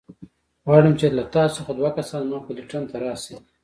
غواړم چې له تاسو څخه دوه کسان زما پلټن ته راشئ.